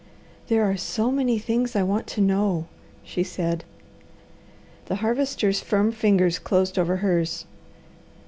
"There are so many things I want to know," she said. The Harvester's firm fingers closed over hers.